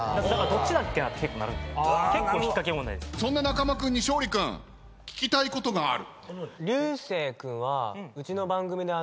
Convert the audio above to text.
そんな中間君に勝利君聞きたいことがある？